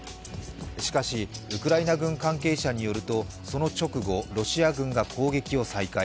しかし、ウクライナ軍関係者によるとその直後、ロシア軍が攻撃を再開。